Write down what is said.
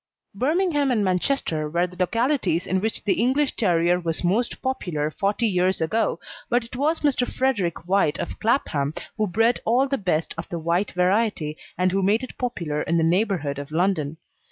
Birmingham and Manchester were the localities in which the English Terrier was most popular forty years ago, but it was Mr. Frederick White, of Clapham, who bred all the best of the white variety and who made it popular in the neighbourhood of London.